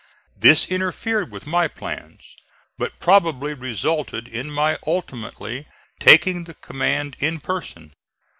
This interfered with my plans, but probably resulted in my ultimately taking the command in person.